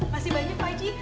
masih banyak pak haji